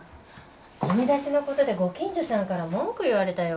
ゴミ出しの事でご近所さんから文句言われたよ。